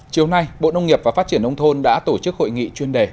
chiều nay bộ nông nghiệp và phát triển nông thôn đã tổ chức hội nghị chuyên đề